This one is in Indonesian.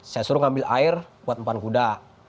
saya suruh ngambil air buat empat kuda